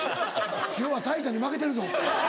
今日はタイタンに負けてるぞ。